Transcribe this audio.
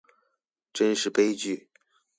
真是杯具